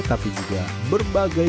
terima kasih gue